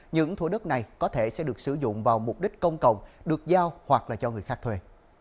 những thủ đất này có thể sẽ được sử dụng vào mục đích công cộng được giao hoặc là cho người khác thuê